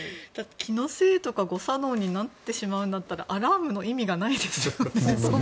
気のせいとか誤作動になってしまうんだったらアラームの意味がないですよね。